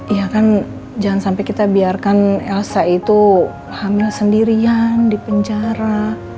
iya kan jangan sampai kita biarkan elsa itu hamil sendirian di penjara